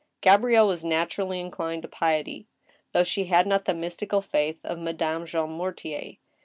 Gabrielle was naturally inclined to piety, though she had not the mystical faith of Madame Jean Mortier.